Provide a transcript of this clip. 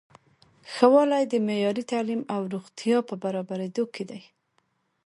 ښه والی د معیاري تعلیم او روغتیا په برابریدو کې دی.